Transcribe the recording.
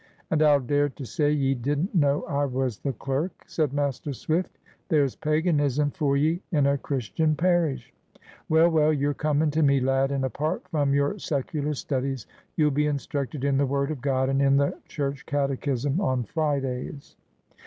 "And I'll dare to say ye didn't know I was the clerk?" said Master Swift. "There's paganism for ye in a Christian parish! Well, well, you're coming to me, lad, and, apart from your secular studies, you'll be instructed in the Word of GOD, and in the Church Catechism on Fridays."